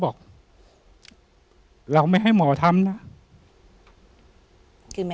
พี่น้องรู้ไหมว่าพ่อจะตายแล้วนะ